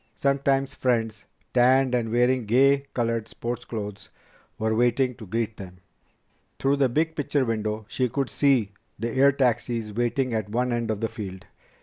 Sometimes friends, tanned and wearing gay colored sports clothes, were waiting to greet them. Through the big picture window She could see the air taxis waiting at one end of the field.